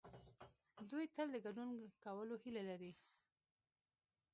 دوی تل د ګډون کولو هيله لري.